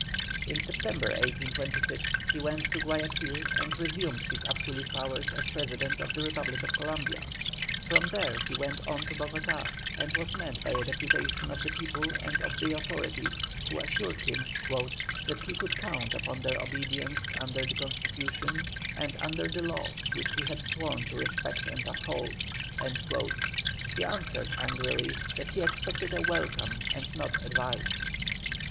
In September, 1826, he went to Guayaquil and resumed his absolute powers as President of the Republic of Columbia. From there he went on to Bogotá, and was met by a deputation of the people and of the authorities, who assured him "that he could count upon their obedience under the Constitution and under the laws which he had sworn to respect and uphold." He answered angrily that he expected a welcome and not advice.